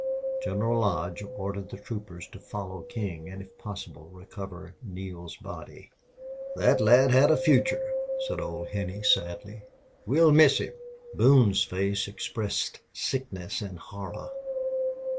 General Lodge ordered the troopers to follow King and if possible recover Neale's body. "That lad had a future," said old Henney, sadly. "We'll miss him." Boone's face expressed sickness and horror.